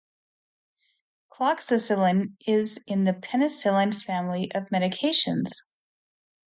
Cloxacillin is in the penicillin family of medications.